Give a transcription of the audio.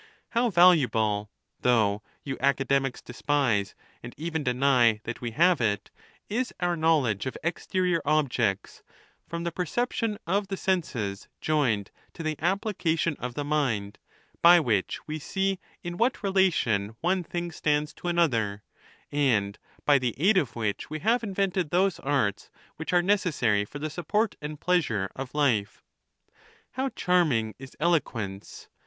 How valuable (though you Academics despise and even deny that we have it) is our 312 THE NATURE OF THE GODS. knowledge of exterior objects, from the perception of the senses joined to the application of the mind; by which we see in what relation one thing stands to another, and by the aid of which we have invented those arts which are necessary for the support and pleasure of life. How charming is eloquence